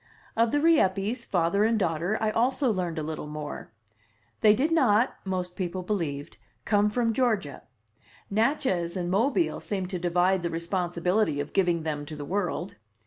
Of the Rieppes, father and daughter, I also learned a little more. They did not (most people believed) come from Georgia. Natchez and Mobile seemed to divide the responsibility of giving them to the world.